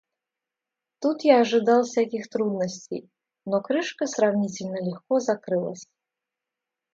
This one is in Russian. Тут я ожидал всяких трудностей, но крышка сравнительно легко закрылась.